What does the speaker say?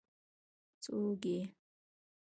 ـ څوک یې؟